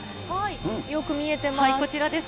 よく見えてます。